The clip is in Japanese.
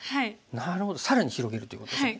なるほど更に広げるということですね。